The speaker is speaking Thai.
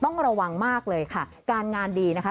ต้องระวังมากเลยค่ะการงานดีนะคะ